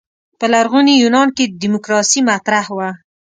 په لرغوني یونان کې دیموکراسي مطرح وه.